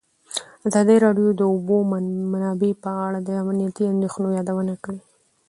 ازادي راډیو د د اوبو منابع په اړه د امنیتي اندېښنو یادونه کړې.